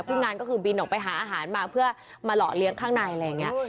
งานก็คือบินออกไปหาอาหารมาเพื่อมาหล่อเลี้ยงข้างในอะไรอย่างนี้